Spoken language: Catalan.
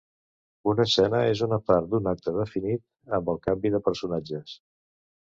Una escena és una part d'un acte definit amb el canvi de personatges.